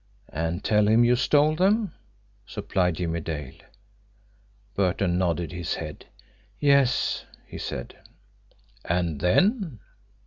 "And tell him you stole them," supplied Jimmie Dale. Burton nodded his head. "Yes," he said. "And then?"